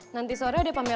nanti sore udah pamer